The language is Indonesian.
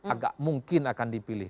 agak mungkin akan dipilih